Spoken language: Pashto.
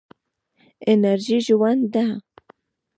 انرژي ژوند ده.